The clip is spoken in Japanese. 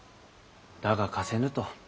だが貸せぬ」と。